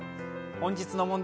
本日の問題